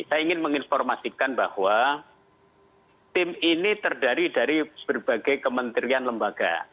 saya ingin menginformasikan bahwa tim ini terdiri dari berbagai kementerian lembaga